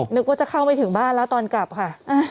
นึกว่าจะเข้าไปถึงบ้านแล้วตอนกลับค่ะ